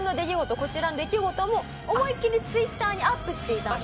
こちらの出来事も思いっきりＴｗｉｔｔｅｒにアップしていたんです。